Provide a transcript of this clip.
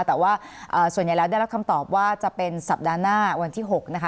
แต่ว่าส่วนใหญ่แล้วได้รับคำตอบว่าจะเป็นสัปดาห์หน้าวันที่๖นะคะ